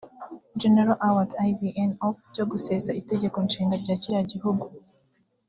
General Awad Ibn Auf byo gusesa Itegeko Nshinga rya kiriya gihugu